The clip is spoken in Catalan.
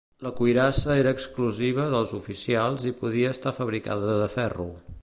La cuirassa era exclusiva dels oficials i podia estar fabricada de ferro.